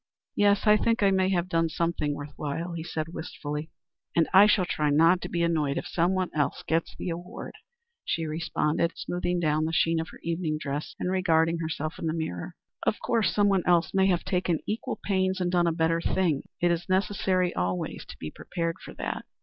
"Yes. I think I may have done something worth while," he said, wistfully. "And I shall try not to be annoyed if someone else gets the award," she responded, smoothing down the sheen of her evening dress and regarding herself in the mirror. "Of course someone else may have taken equal pains and done a better thing. It is necessary always to be prepared for that."